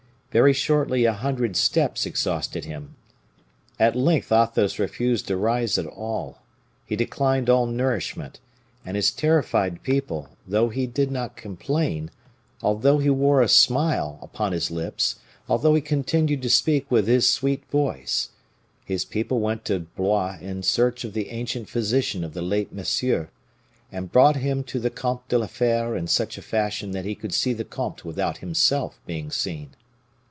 Very shortly a hundred steps exhausted him. At length Athos refused to rise at all; he declined all nourishment, and his terrified people, although he did not complain, although he wore a smile upon his lips, although he continued to speak with his sweet voice his people went to Blois in search of the ancient physician of the late Monsieur, and brought him to the Comte de la Fere in such a fashion that he could see the comte without being himself seen.